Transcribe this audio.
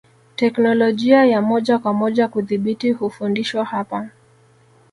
Teknolojia ya moja kwa moja kudhibiti hufundishwa hapa